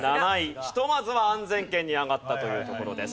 ひとまずは安全圏に上がったというところです。